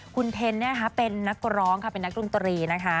คุณเทนเป็นนักร้องค่ะเป็นนักดนตรีนะคะ